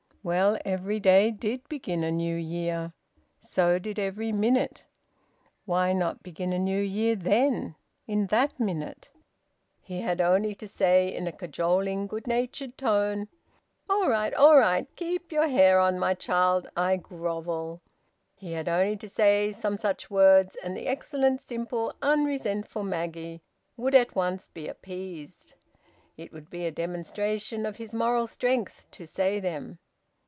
Well, every day did begin a New Year! So did every minute. Why not begin a New Year then, in that minute? He had only to say in a cajoling, good natured tone, "All right, all right! Keep your hair on, my child. I grovel!" He had only to say some such words, and the excellent, simple, unresentful Maggie would at once be appeased. It would be a demonstration of his moral strength to say them.